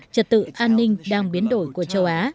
trật tự an ninh đang biến đổi của châu á